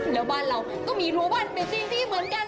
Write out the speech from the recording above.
แล้วบ้านเราก็มีรั้วบ้านเป็นที่ดีเหมือนกัน